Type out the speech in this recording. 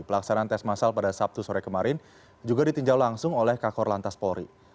pelaksanaan tes masal pada sabtu sore kemarin juga ditinjau langsung oleh kakor lantas polri